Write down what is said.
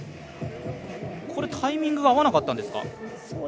これタイミング、合わなかったんですか？